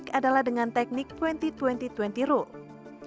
teknik yang unik adalah dengan teknik dua puluh dua puluh dua puluh rule